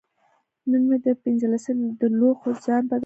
نن مې د پخلنځي د لوښو ځای بدل کړ.